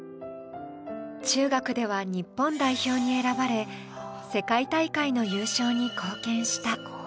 中学では日本代表に選ばれ、世界大会の優勝に貢献した。